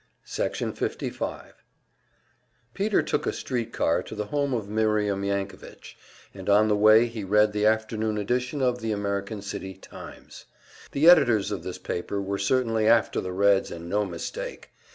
Section 55 Peter took a street car to the home of Miriam Yankovitch, and on the way he read the afternoon edition of the American City "Times." The editors of this paper were certainly after the Reds, and no mistake!